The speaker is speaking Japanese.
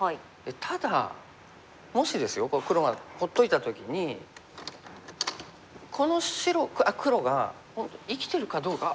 ただもしですよ黒が放っといた時にこの黒が生きてるかどうか。